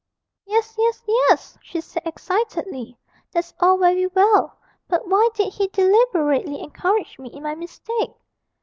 'Yes, yes, yes!' she said excitedly, 'that's all very well; but why did he deliberately encourage me in my mistake?'